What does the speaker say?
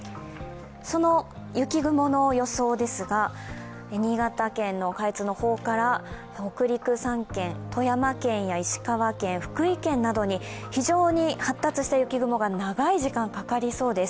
その雪雲の予想ですが、新潟県の下越の方から北陸３県、富山県や石川県、福井県などに非常に発達した雪雲が長い時間かかりそうです。